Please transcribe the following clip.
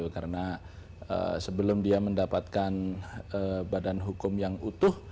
karena sebelum dia mendapatkan badan hukum yang utuh